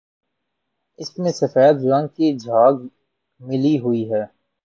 اس میں سفید رنگ کی جھاگ ملی ہوئی ہے